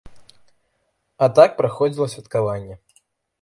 А так праходзіла святкаванне.